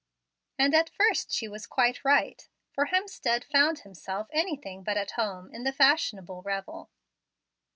And at first she was quite right, for Hemstead found himself anything but at home in the fashionable revel.